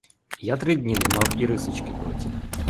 Я три дні не мав і рисочки в роті.